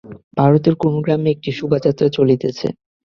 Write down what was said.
ভারতের কোন গ্রামে একটি শোভাযাত্রা চলিতেছে।